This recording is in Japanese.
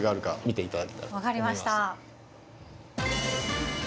分かりました。